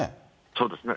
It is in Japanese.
そうですね。